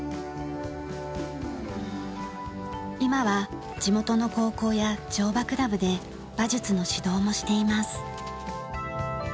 今は地元の高校や乗馬クラブで馬術の指導もしています。